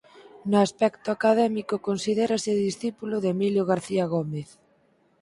No aspecto académico considérase discípulo de Emilio García Gómez.